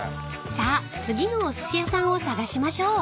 ［さあ次のおすし屋さんを探しましょう］